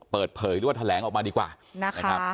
เปิดเผยหรือว่าแถลงออกมาดีกว่านะครับ